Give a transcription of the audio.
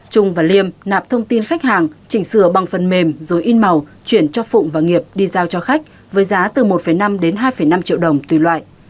hùng chuyển cho phụng và nghiệp đi giao cho khách với giá từ một năm đến hai năm triệu đồng tùy loại